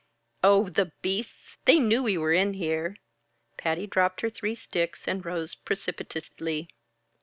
"Oh, the beasts! They knew we were in here." Patty dropped her three sticks and rose precipitately.